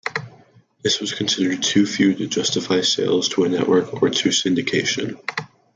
This was considered too few to justify sales to a network or to syndication.